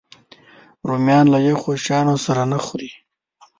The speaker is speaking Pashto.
رومیان له یخو شیانو سره نه خوري